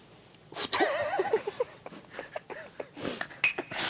太っ。